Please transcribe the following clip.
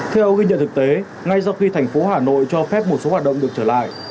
theo ghi nhận thực tế ngay sau khi thành phố hà nội cho phép một số hoạt động được trở lại